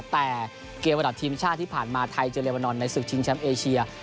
แต่เกมระดับทีมชาติที่ผ่านมาไทยเจอเรวานอนในศึกชิงแชมป์เอเชีย